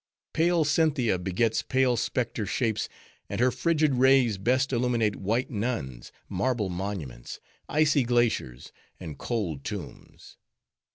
Pale Cynthia begets pale specter shapes; and her frigid rays best illuminate white nuns, marble monuments, icy glaciers, and cold tombs.